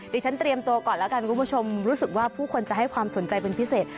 เรียนเตรียมตัวก่อนแล้วกันคุณผู้ชมรู้สึกว่าผู้คนจะให้ความสนใจเป็นพิเศษ